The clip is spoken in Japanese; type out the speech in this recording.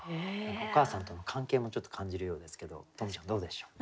お母さんとの関係もちょっと感じるようですけど十夢ちゃんどうでしょう？